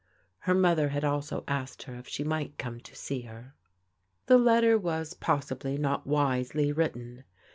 Her mother had also asked her if she might come to see her. The letter was, possibly, not wisely written.